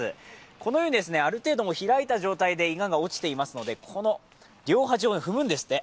このようにある程度、開いた状態でいがが落ちていますので両端を踏むんですって。